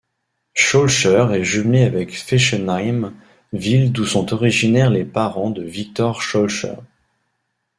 Schœlcher est jumelée avec Fessenheim, ville d'où sont originaires les parents de Victor Schœlcher.